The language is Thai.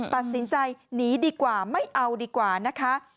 ตัดสินใจหนีดีกว่าไม่เอาดีกว่านะคะ